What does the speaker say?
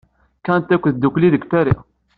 Kkant akud ddukkli deg Paris.